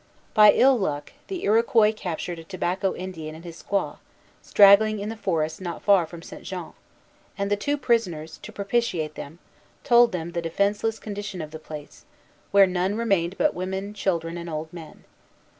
By ill luck, the Iroquois captured a Tobacco Indian and his squaw, straggling in the forest not far from St. Jean; and the two prisoners, to propitiate them, told them the defenceless condition of the place, where none remained but women, children, and old men.